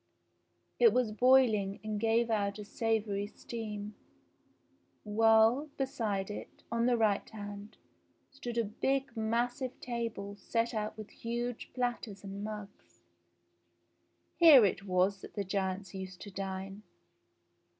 It was boiling and gave out a savoury steam ; 94 JACK THE GIANT KILLER 95 while beside it, on the right hand, stood a big massive table set out with huge platters and mugs. Here it was that the giants used to dine.